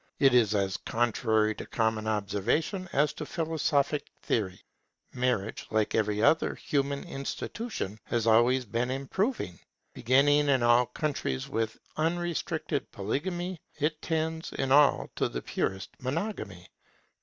It is as contrary to common observation as to philosophic theory. Marriage, like every other human institution, has always been improving. Beginning in all countries with unrestricted polygamy, it tends in all to the purest monogamy.